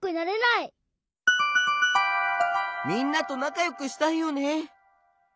みんなとなかよくしたいよね。